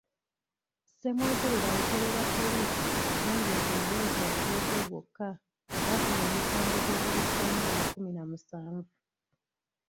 Ssemwogerere ayogerera poliisi agambye nti mu mwezi oguwedde gwokka baafuna emisango gy'obuliisa maanyi kkumi na musanvu.